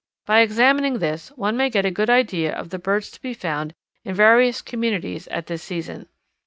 By examining this one may get a good idea of the birds to be found in various communities at this season.